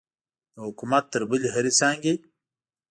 د حکومت تر بلې هرې څانګې.